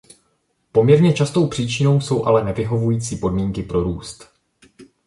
Poměrně často příčinou jsou ale nevyhovující podmínky pro růst.